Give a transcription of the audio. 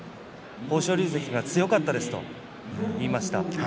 豊昇龍関が強かったですと言いました。